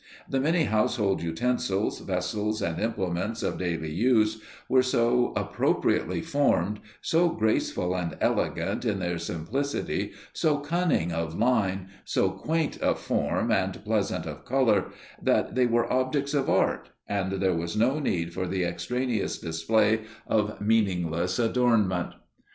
The many household utensils, vessels and implements of daily use were so appropriately formed, so graceful and elegant in their simplicity, so cunning of line, so quaint of form and pleasant of colour, that they were objects of art, and there was no need for the extraneous display of meaningless adornment.